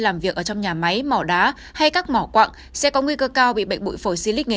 làm việc ở trong nhà máy mỏ đá hay các mỏ quặng sẽ có nguy cơ cao bị bệnh bụi phổi xy lít nghề